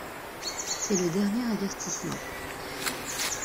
C’est le dernier avertissement.